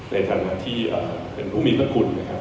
ในฐานะที่เป็นผู้มีพระคุณนะครับ